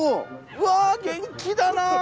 うわ元気だな！